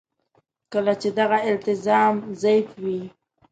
کله چې دغه التزام ضعیف وي.